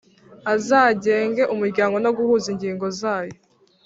azagenge umuryango no guhuza ingingo zayo